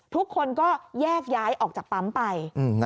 ทุกคนก็แยกย้ายออกจากปั๊มไป